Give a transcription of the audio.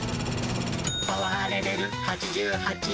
「パワーレベル８８」。